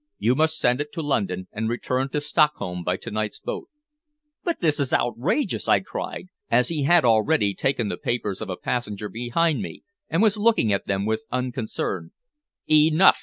You must send it to London, and return to Stockholm by to night's boat." "But this is outrageous!" I cried, as he had already taken the papers of a passenger behind me and was looking at them with unconcern. "Enough!"